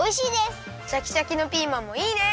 シャキシャキのピーマンもいいね！